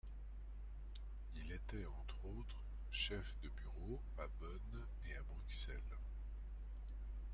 Il était entre autres chef de bureau à Bonne et à Bruxelles.